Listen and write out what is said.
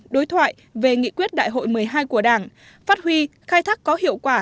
đối thoại về nghị quyết đại hội một mươi hai của đảng phát huy khai thác có hiệu quả